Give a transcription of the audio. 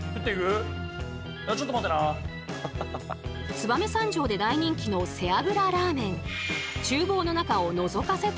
燕三条で大人気の背脂ラーメン。